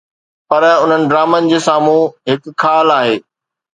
پر انهن ڊرامن جي سامهون هڪ خال آهي.